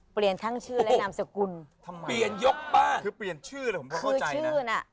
เปลี่ยนทั้งชื่อและนามสกุลเปลี่ยนยกบ้านคือเปลี่ยนชื่อคือชื่อน่ะ